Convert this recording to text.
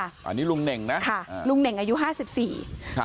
อันนี้ลุงเน่งนะค่ะอ่าลุงเน่งอายุห้าสิบสี่ครับ